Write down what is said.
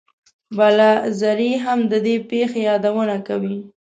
بلاذري هم د دې پېښې یادونه کوي.